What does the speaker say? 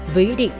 với ý định